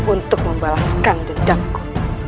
untuk membalaskan dendamku